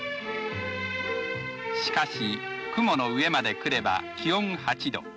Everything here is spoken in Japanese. しかし、雲の上まで来れば気温８度。